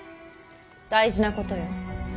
大事なことよ。